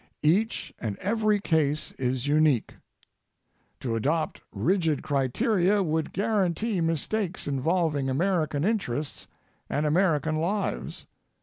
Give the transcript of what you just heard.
Each and every case is unique. To adopt rigid criteria would guarantee mistakes involving American interests and American lives.